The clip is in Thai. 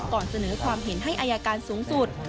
ก่อนเสนอความเห็นให้อายการสูงสุด